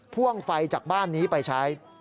พ่วงไฟจากบ้านนี้ไปใช้